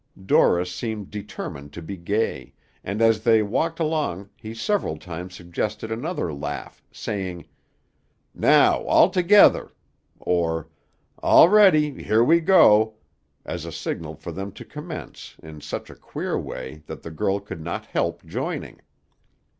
Dorris seemed determined to be gay, and as they walked along he several times suggested another laugh, saying, "now, all together," or, "all ready; here we go," as a signal for them to commence, in such a queer way that the girl could not help joining.